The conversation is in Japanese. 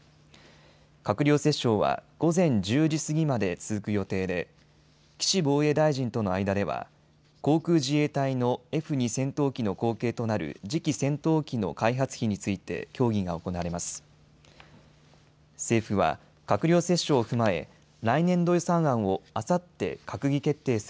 閣僚折衝は午前１０時過ぎまで続く予定で岸防衛大臣との間では航空自衛隊のＦ２戦闘機の後継となる次期戦闘機の開発費について協議が行われます。